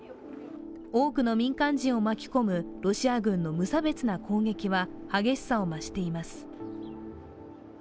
多くの民間人を巻き込むロシア軍の無差別な攻撃は激しさを増しています。